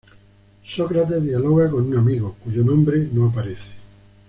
Sócrates dialoga con un amigo, cuyo nombre no aparece.